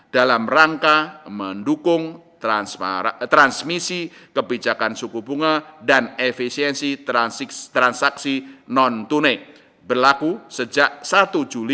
dalam rangka mendukung transmisi kebijakan suku bunga dan efisiensi transaksi non tunai berlaku sejak satu juli